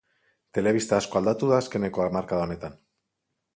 Telebista asko aldatu da azkeneko hamarkada honetan.